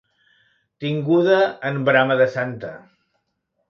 Tinguda en brama de santa.